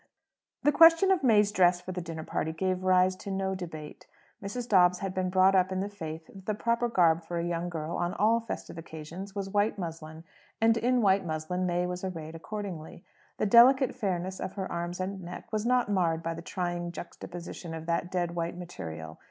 The question of May's dress for the dinner party gave rise to no debate. Mrs. Dobbs had been brought up in the faith that the proper garb for a young girl on all festive occasions was white muslin; and in white muslin May was arrayed accordingly. The delicate fairness of her arms and neck was not marred by the trying juxtaposition of that dead white material.